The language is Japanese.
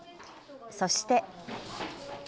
そして。